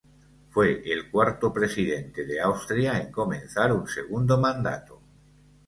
Fue el cuarto presidente de Austria en comenzar un segundo mandato.